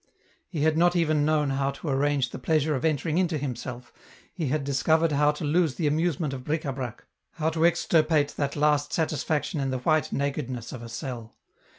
He had not even known how to arrange the pleasure of entering into himself, he had discovered how to lose the amusement of bric k brac, how to extirpate that last satisfaction in the white nakedness of a cell